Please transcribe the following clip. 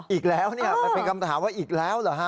อีกแล้วมันเป็นคำถามว่าอีกแล้วเหรอฮะ